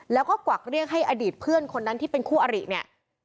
แล้วก็กวักเรียกให้อดีตเพื่อนคนนั้นที่เป็นคู่อริเนี่ย